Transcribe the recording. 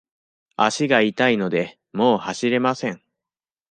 足が痛いので、もう走れません。